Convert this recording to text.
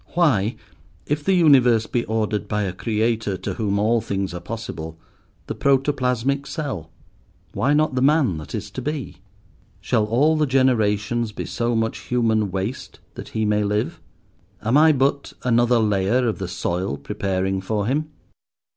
Why, if the universe be ordered by a Creator to whom all things are possible, the protoplasmic cell? Why not the man that is to be? Shall all the generations be so much human waste that he may live? Am I but another layer of the soil preparing for him?